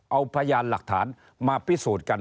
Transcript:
เอาพยานหลักฐานมาพิสูจน์กัน